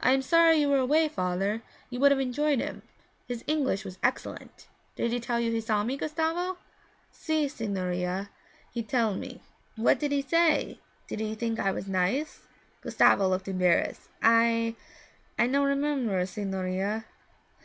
I am sorry you were away, father, you would have enjoyed him; his English was excellent. Did he tell you he saw me, Gustavo?' 'Si, signorina, he tell me.' 'What did he say? Did he think I was nice?' Gustavo looked embarrassed. 'I I no remember, signorina.'